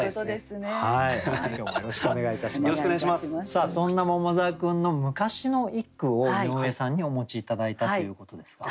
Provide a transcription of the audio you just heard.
さあそんな桃沢君の昔の一句を井上さんにお持ち頂いたということですが。